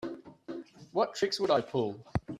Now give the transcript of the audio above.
What tricks would I pull?